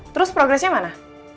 terus progresnya mana